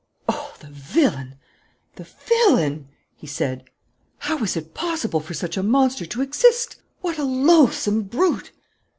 "Oh, the villain, the villain!" he said. "How was it possible for such a monster to exist? What a loathsome brute!"